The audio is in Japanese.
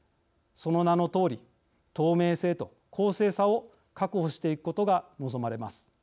その名のとおり透明性と公正さを確保していくことが望まれます。